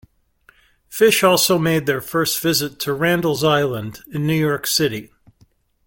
Phish also made their first visit to Randall's Island in New York City.